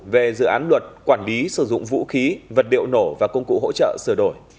về dự án luật quản lý sử dụng vũ khí vật liệu nổ và công cụ hỗ trợ sửa đổi